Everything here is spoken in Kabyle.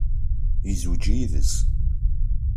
Yezweǧ yid-s.